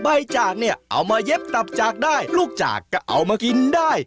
ใบจากเนี่ยเอามาเย็บตับจากได้ลูกจากก็เอามากินได้